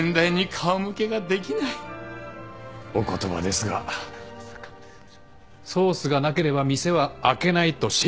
お言葉ですがソースがなければ店は開けないとシェフが。